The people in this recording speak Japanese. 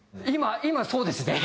今そうですね。